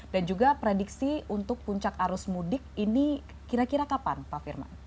dan juga prediksi untuk puncak arus mudik ini kira kira kapan pak firman